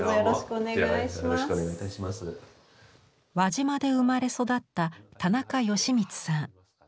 輪島で生まれ育った田中義光さん。